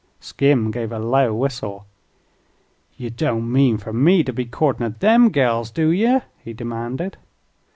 Skim gave a low whistle. "Ye don't mean fer me to be courtin' at them gals, do ye?" he demanded.